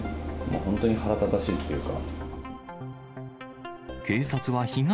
本当に腹立たしいというか。